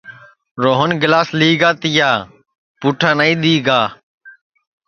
روہن گِلاس لِگا تیا پُوٹھا نائی دؔی گا